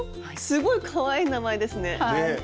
すごいかわいい名前ですね。